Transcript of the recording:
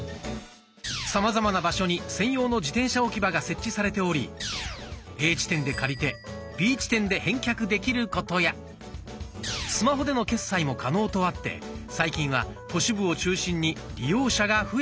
さまざまな場所に専用の自転車置き場が設置されておりＡ地点で借りてＢ地点で返却できることやスマホでの決済も可能とあって最近は都市部を中心に利用者が増えています。